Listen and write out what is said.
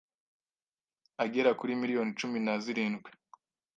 agera kuri miliyoni cumi na zirindwi